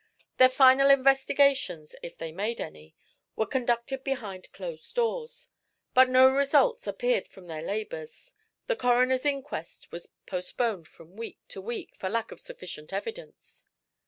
Their final investigations, if they made any, were conducted behind closed doors. But no result appeared from their labors; the coroner's inquest was postponed from week to week for lack of sufficient evidence.